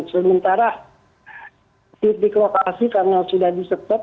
sementara titik lokasi karena sudah di setep